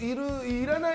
いらない？